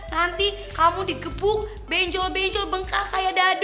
nanti kamu digebuk benjol benjol bengkaka ya dadoh